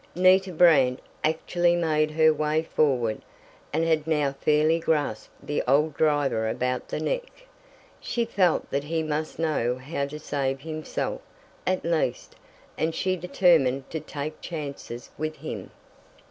Nita Brant actually made her way forward, and had now fairly grasped the old driver about the neck. She felt that he must know how to save himself, at least, and she determined to "take chances" with him.